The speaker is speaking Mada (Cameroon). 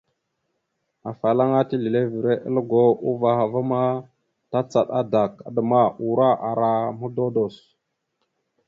Afalaŋana tislevere aləgo, uvah a ma tacaɗ adak, adəma, ura, ara mododos.